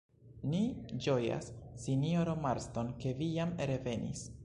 Ni ĝojas, sinjoro Marston, ke vi jam revenis.